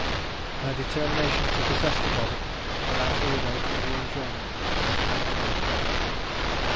Her determination to possess the body aroused the widow from the enjoyment of this melancholy pleasure.